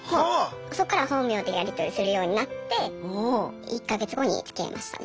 そっからは本名でやり取りするようになって１か月後につきあいましたね。